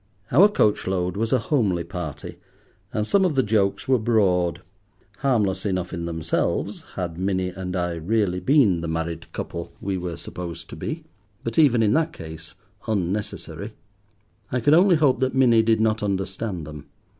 Our coach load was a homely party, and some of the jokes were broad—harmless enough in themselves, had Minnie and I really been the married couple we were supposed to be, but even in that case unnecessary. I can only hope that Minnie did not understand them.